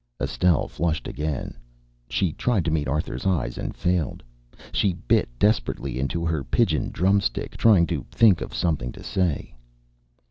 Estelle flushed again. She tried to meet Arthur's eyes and failed. She bit desperately into her pigeon drumstick, trying to think of something to say.